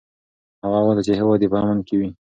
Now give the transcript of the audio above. هغه غوښتل چې هېواد یې په امن کې وي.